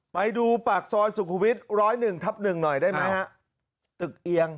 ไปดูปากซอยสุขุมวิช๑๐๑ทับหนึ่งหน่อยได้ไหมฮะ